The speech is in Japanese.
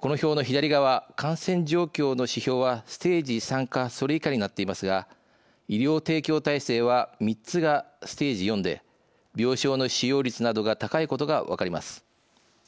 この表の左側感染状況の指標はステージ３かそれ以下になっていますが医療提供体制は３つがステージ４で病床の使用率などが高いことが分かります。